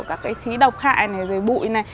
các cái khí độc hại này bụi này